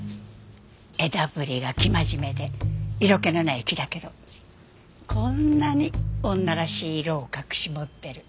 枝ぶりが生真面目で色気のない木だけどこんなに女らしい色を隠し持ってる。